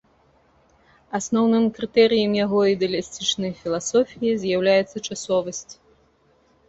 Асноўным крытэрыем яго ідэалістычнай філасофіі з'яўляецца часовасць.